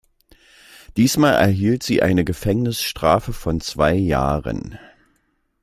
Diesmal erhielt sie eine Gefängnisstrafe von zwei Jahren.